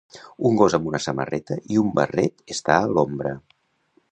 Un gos amb una samarreta i un barret està a l'ombra.